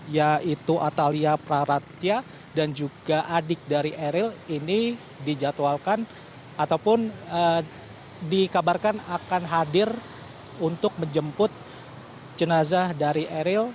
yaitu atalia praratya dan juga adik dari eril ini dijadwalkan ataupun dikabarkan akan hadir untuk menjemput jenazah dari eril